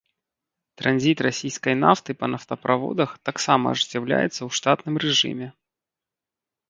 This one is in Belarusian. Транзіт расійскай нафты па нафтаправодах таксама ажыццяўляецца ў штатным рэжыме.